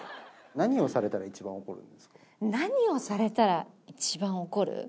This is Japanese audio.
何をされたら一番怒る？